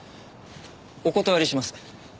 お断りします。